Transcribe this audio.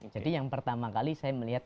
jadi yang pertama kali saya melihat